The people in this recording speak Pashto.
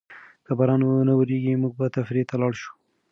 که باران ونه وریږي، موږ به تفریح ته لاړ شو.